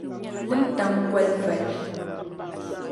wuntaŋ goli valibu.